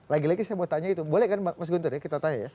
lagi lagi saya mau tanya itu boleh kan mas guntur ya kita tanya ya